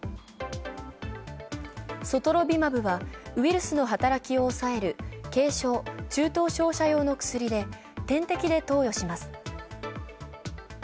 ソトロビマブはウイルスの働きを抑える軽症・中等症者用の薬で、点滴で投与します。